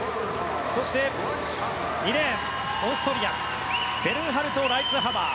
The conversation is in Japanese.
そして、２レーンオーストリアベルンハルト・ライツハマー。